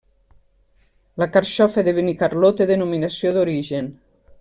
La carxofa de Benicarló té denominació d'origen.